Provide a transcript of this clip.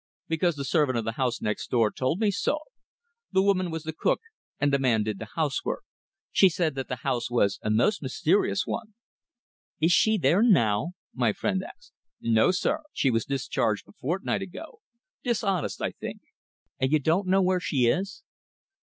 "Because the servant of the house next door told me so. The woman was the cook, and the man did the housework. She said that the house was a most mysterious one." "Is she there now?" my friend asked. "No, sir. She was discharged a fortnight ago. Dishonest, I think." "And you don't know where she is?"